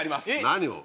何を？